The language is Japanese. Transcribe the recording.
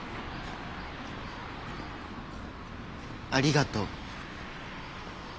ありがとう。